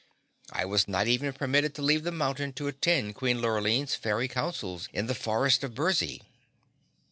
I was not even permitted to leave the mountain to attend Queen Lurline's fairy councils in the Forest of Burzee."